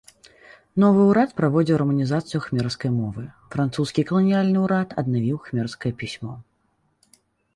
Новы ўрад праводзіў раманізацыю кхмерскай мовы, французскі каланіяльны ўрад аднавіў кхмерскае пісьмо.